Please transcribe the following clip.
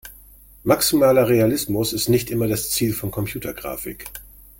Maximaler Realismus ist nicht immer das Ziel von Computergrafik.